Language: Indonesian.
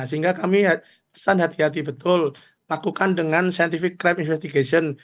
sehingga kami pesan hati hati betul lakukan dengan scientific crime investigation